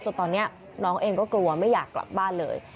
จนตอนนี้น้องเองก็กลัวไม่อยากกลับบ้านเลย